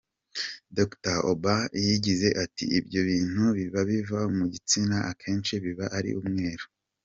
Dr Obong yagize ati “Ibyo bintu biba biva mu gitsina akenshi biba ari umweru.